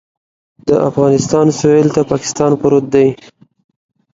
د افغانستان سویل ته پاکستان پروت دی